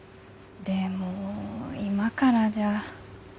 でも今からじゃ。